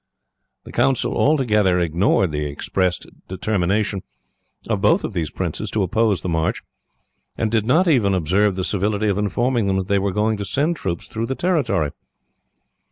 The Council altogether ignored the expressed determination, of both these princes, to oppose the march, and did not even observe the civility of informing them that they were going to send troops through their territory.